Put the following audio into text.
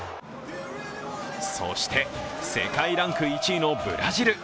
そして、世界ランク１位のブラジル。